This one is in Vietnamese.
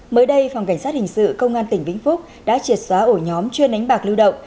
mới đây phòng cảnh sát hình sự công an tỉnh vĩnh phúc đã triệt xóa ổ nhóm chuyên đánh bạc lưu động